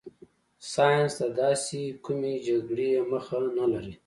ساینس د داسې کومې جګړې مخه نه لري.